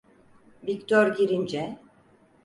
Viktor girince: